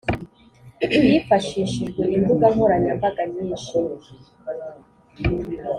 Hifashishijwe Imbuga nkoranyambaga, nyinshi